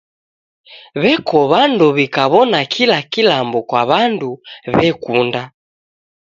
W'eko w'andu w'ikawona kila kilambo kwa wandu w'ekunda.